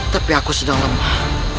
tapi aku sedang lemah